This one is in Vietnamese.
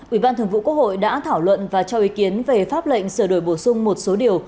ủy ban thường vụ quốc hội đã thảo luận và cho ý kiến về pháp lệnh sửa đổi bổ sung một số điều